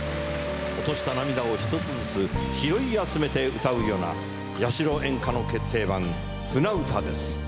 落とした涙を一つずつ拾い集めて歌うよな八代演歌の決定版『舟唄』です。